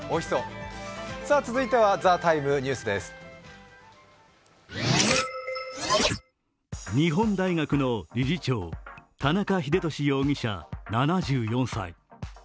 続いては「ＴＨＥＴＩＭＥ，ニュース」です日本大学の理事長田中英寿容疑者７４歳。